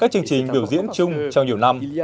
các chương trình biểu diễn chung trong nhiều năm